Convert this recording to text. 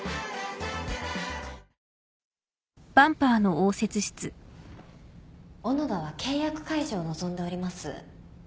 糖質ゼロ小野田は契約解除を望んでおります。